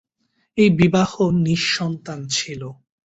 এই বিবাহ নিঃসন্তান ছিল।